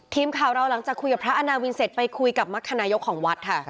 ทีมข่าวเราหลังจากคุยกับพระอาณาวินเสร็จไปคุยกับมรรคนายกของวัดค่ะ